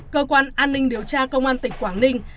cơ quan an ninh điều tra công an tỉnh quảng ninh